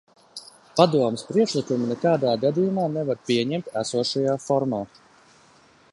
Padomes priekšlikumu nekādā gadījumā nevar pieņemt esošajā formā.